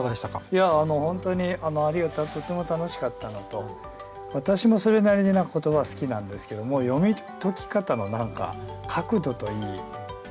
いや本当にありがたくとっても楽しかったのと私もそれなりに言葉好きなんですけども読み解き方の角度といい広がりといい